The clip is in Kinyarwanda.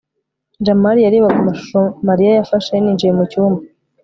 jamali yarebaga amashusho mariya yafashe ninjiye mucyumba